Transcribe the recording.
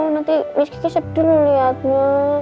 nanti miss kiki sedih loh liatnya